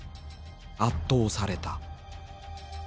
圧倒された。